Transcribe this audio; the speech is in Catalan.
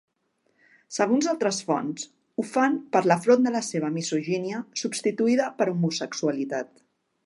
Segons altres fonts, ho fan per l'afront de la seva misogínia, substituïda per homosexualitat.